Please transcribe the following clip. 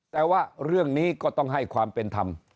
แต่ว่าเรื่องนี้ก็ต้องให้ความเป็นธรรม